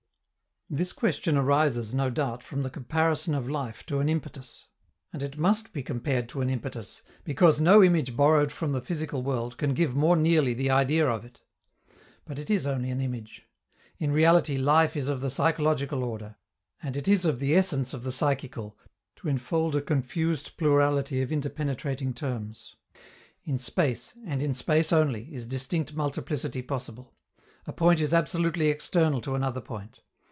This question arises, no doubt, from the comparison of life to an impetus. And it must be compared to an impetus, because no image borrowed from the physical world can give more nearly the idea of it. But it is only an image. In reality, life is of the psychological order, and it is of the essence of the psychical to enfold a confused plurality of interpenetrating terms. In space, and in space only, is distinct multiplicity possible: a point is absolutely external to another point.